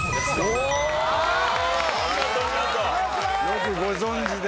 よくご存じで。